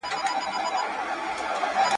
او نه به د مور له سپېڅلي جذبې سره اشنا سي